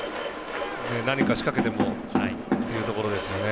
何か仕掛けてもというところですね。